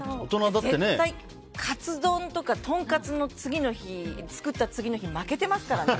絶対、カツ丼とか、とんかつを作った次の日、負けてますからね。